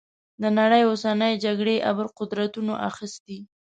د نړۍ اوسنۍ جګړې ابرقدرتونو اخیستي.